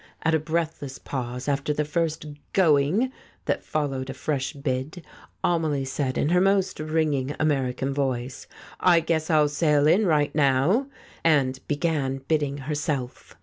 At a breathless pause, after the first "Going!" that followed a fresh bid, Amelie said in her most ringing American voice, "I guess I'll sail in right now," and began bidding herself.